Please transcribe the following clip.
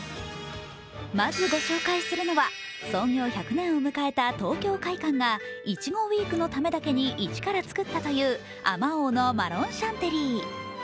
まず、ご紹介するのは創業１００年を迎えた東京會舘がいちごＷＥＥＫのためだけに一から作ったという、あまおうのマロンシャンテリー。